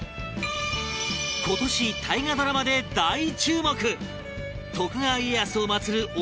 今年大河ドラマで大注目！